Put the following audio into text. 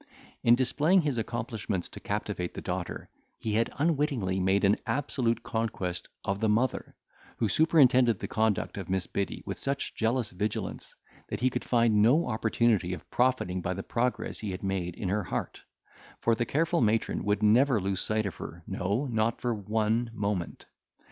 In displaying his accomplishments to captivate the daughter, he had unwittingly made an absolute conquest of the mother, who superintended the conduct of Miss Biddy with such jealous vigilance, that he could find no opportunity of profiting by the progress he had made in her heart; for the careful matron would never lose sight of her, no, not for one moment.